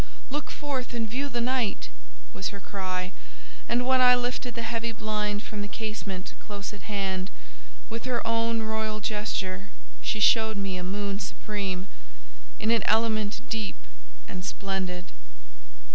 "Look forth and view the night!" was her cry; and when I lifted the heavy blind from the casement close at hand—with her own royal gesture, she showed me a moon supreme, in an element deep and splendid.